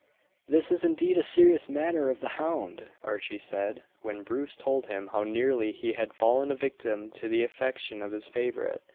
"This is indeed a serious matter of the hound," Archie said when Bruce told him how nearly he had fallen a victim to the affection of his favourite.